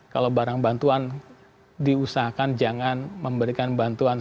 kalau barang bantuan diusahakan jangan memberikan bantuan